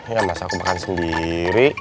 ya masa aku makan sendiri